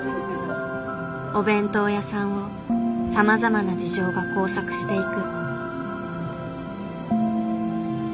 お弁当屋さんをさまざまな事情が交錯していく。